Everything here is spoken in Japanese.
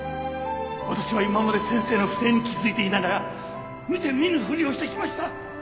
私は今まで先生の不正に気付いていながら見て見ぬふりをしてきました。